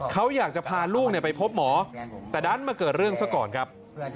เขาอยากจะพาลูกไปพบหมอแต่ดันมาเกิดเรื่องซะก่อนครับ